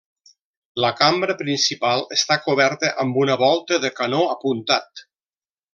La cambra principal està coberta amb una volta de canó apuntat.